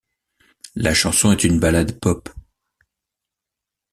La chanson est une ballade pop.